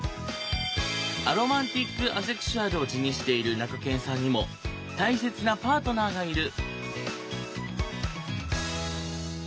アロマンティック・アセクシュアルを自認しているなかけんさんにも大切なパートナーがいる。